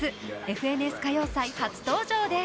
「ＦＮＳ歌謡祭」初登場です。